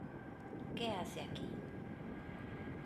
¿ Qué hace aquí?